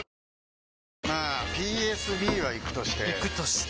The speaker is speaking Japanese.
まあＰＳＢはイクとしてイクとして？